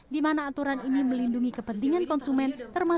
di mana aturan ini melindungi kepentingan konsumen